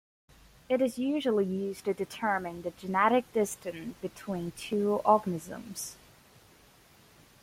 It is usually used to determine the genetic distance between two organisms.